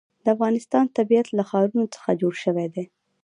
د افغانستان طبیعت له ښارونه څخه جوړ شوی دی.